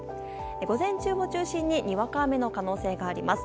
午前中を中心ににわか雨の可能性があります。